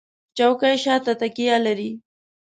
چوکۍ شاته تکیه لري.